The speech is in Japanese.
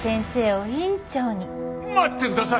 待ってください！